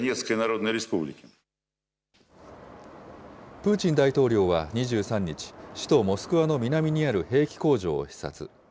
プーチン大統領は２３日、首都モスクワの南にある兵器工場を視察。